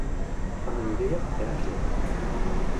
La majoria eren joves